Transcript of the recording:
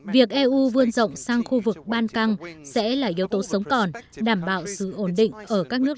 việc eu vươn rộng sang khu vực ban căng sẽ là yếu tố sống còn đảm bảo sự ổn định ở các nước